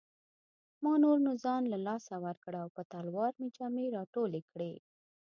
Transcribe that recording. ما نور نو ځان له لاسه ورکړ او په تلوار مې جامې راټولې کړې.